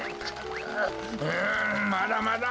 んまだまだ！